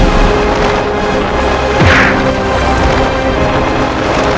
jangan ganggu dia